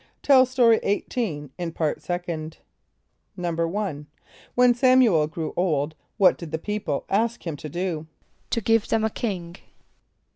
(Tell Story 18 in Part Second.) =1.= When S[)a]m´u el grew old, what did the people ask him to do? =To give them a king.